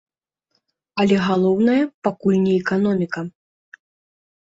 Але галоўнае, пакуль не эканоміка.